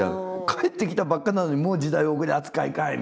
帰ってきたばっかなのにもう時代遅れ扱いかい！